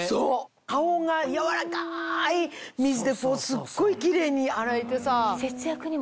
顔がやわらかい水ですっごいキレイに洗えてさぁ。